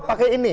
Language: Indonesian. oh pakai ini